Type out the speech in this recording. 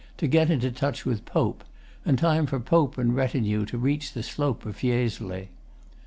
to get into touch with POPE, and time for POPE and retinue to reach the slope of Fiesole.